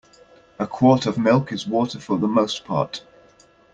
A quart of milk is water for the most part.